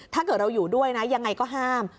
ถ้าเกิดเราอยู่ด้วยนะยังไงก็ห้าม